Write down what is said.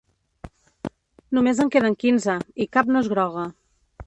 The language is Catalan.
Només en queden quinze, i cap no és groga.